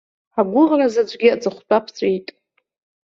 Ҳгәыӷра заҵәгьы аҵыхәтәа ԥҵәеит!